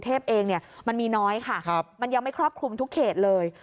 เองมันมีน้อยค่ะมันยังไม่ครอบคลุมทุกเขตเลย